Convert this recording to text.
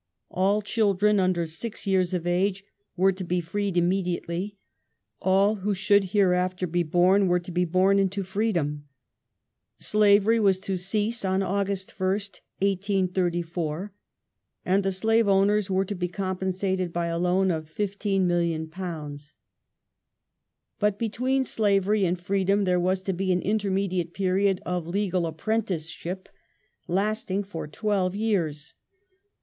All children under six years of age were to be freed immediately ; all who should hereafter be born were to be born into freedom ; slavery was to cease on August 1st, 1834, and the slave owners were to be compensated by a loan of £15,000,000. But between slavery and freedom there was to be an intermediate period of " legal apprenticeship " lasting for twelve years.